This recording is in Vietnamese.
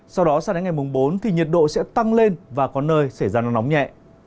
sau đó sang đến ngày mùng bốn thì nhiệt độ sẽ tăng lên và có nơi xảy ra nắng nóng nhẹ